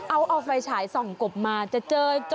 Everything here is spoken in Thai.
เอาเอาไฟฉายส่องกบมาจะเจอจอราเข้ได้อย่างไร